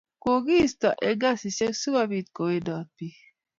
kokiista eng kazishiek siko bit kowendat bik